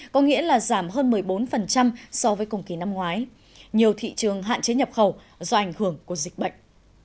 có nghĩa là giảm hơn một mươi bốn so với cùng kỳ năm ngoái nhiều thị trường hạn chế nhập khẩu do ảnh hưởng của dịch bệnh